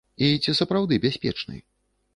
І ці сапраўды бяспечны?